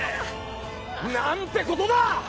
何てことだ！